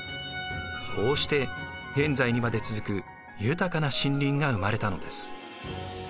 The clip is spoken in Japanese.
こうして現在にまで続く豊かな森林が生まれたのです。